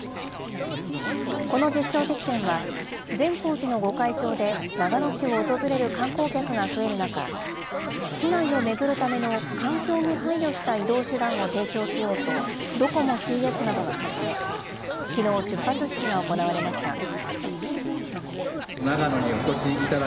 この実証実験は、善光寺の御開帳で長野市を訪れる観光客が増える中、市内を巡るための環境に配慮した移動手段を提供しようと、ドコモＣＳなどが始め、きのう、出発式が行われました。